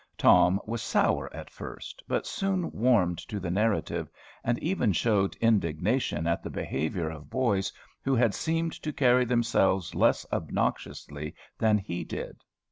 Tom was sour at first, but soon warmed to the narrative, and even showed indignation at the behavior of boys who had seemed to carry themselves less obnoxiously than he did.